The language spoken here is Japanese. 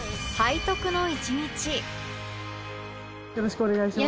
よろしくお願いします。